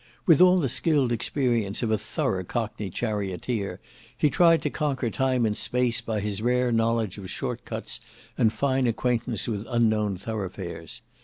With all the skilled experience of a thorough cockney charioteer he tried to conquer time and space by his rare knowledge of short cuts and fine acquaintance with unknown thoroughfares.